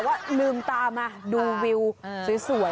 แต่ว่าลืม่ตาดูวิวสวย